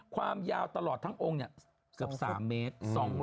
ความยาวตลอดทั้งองค์เกือบ๓เมตร